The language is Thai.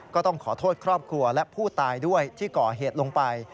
ก็ต้องขอโทษครอบครัวและผู้ตายด้วยที่ก่อเหตุลงไป